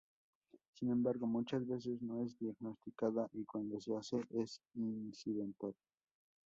Sin embargo muchas veces no es diagnosticada y cuando se hace es incidental.